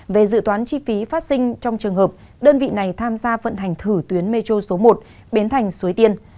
về dự toán chi phí phát sinh trong trường hợp đơn vị này tham gia vận hành thử tuyến metro số một biến thành suối tiên